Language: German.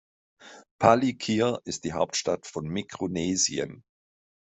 Palikir ist die Hauptstadt von Mikronesien.